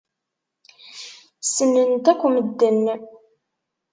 Ssnen-t akk medden.